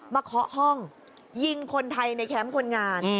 เคาะห้องยิงคนไทยในแคมป์คนงาน